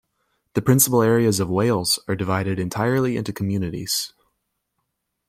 The principal areas of Wales are divided entirely into communities.